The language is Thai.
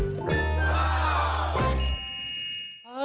อุโมมี่